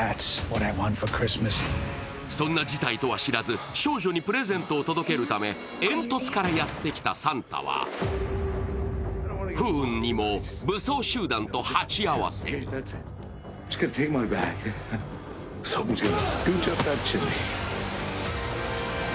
そんな事態とは知らず、少女にプレゼントを届けるため、煙突からやってきたサンタは不運にも武装集団と鉢合わせに。